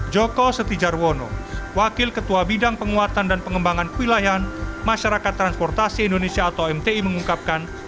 joko setijarwono wakil ketua bidang penguatan dan pengembangan kewilayan masyarakat transportasi indonesia atau mti mengungkapkan